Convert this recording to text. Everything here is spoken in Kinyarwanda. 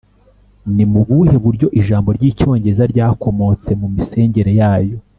ni mu buhe buryo ijambo ry’icyongereza ryakomotse mu misengere yayo?